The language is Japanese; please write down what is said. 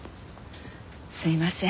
すいません。